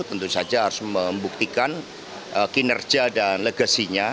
tentu saja harus membuktikan kinerja dan legasinya